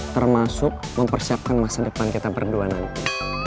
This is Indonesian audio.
termasuk mempersiapkan masa depan kita berdua nanti